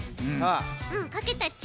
うんかけたち。